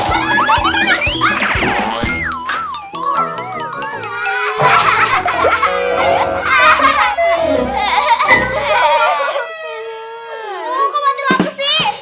aduh kok mati laku sih